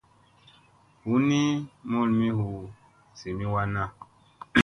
Bunni mulmi hu zimi wanna.